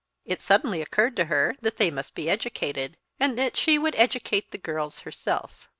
It suddenly occurred to her that they must be educated, and that she would educate the girls herself.